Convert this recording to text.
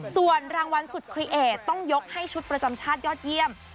ส่วนรางวัลสุดคลีเอทต้องยกให้ชุดประจำชาติยอดเยี่ยม